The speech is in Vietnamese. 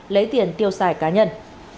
lấy tiền tiêu xài cá nhân